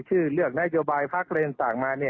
ชื่อเลือกนโยบายพระเกรงศักดิ์มา